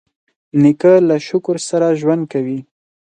نیکه له شکر سره ژوند کوي.